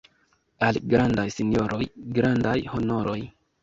Al grandaj sinjoroj grandaj honoroj.